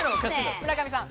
村上さん。